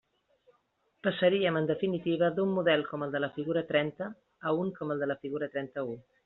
Passaríem en definitiva d'un model com el de la figura trenta a un com el de la figura trenta-u.